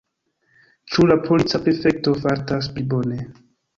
Ĉu la polica prefekto fartas pli bone?